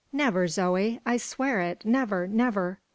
"Never! Zoe! I swear it; never, never!"